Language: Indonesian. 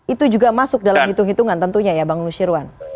itu juga masuk dalam hitung hitungan tentunya ya bang nusyirwan